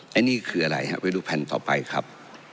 อันนี้คืออะไรฮะไปดูแผ่นต่อไปครับ